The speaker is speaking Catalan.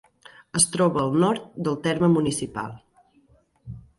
Es troba al nord del terme municipal.